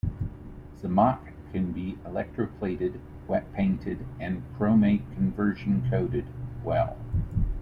Zamak can be electroplated, wet painted, and chromate conversion coated well.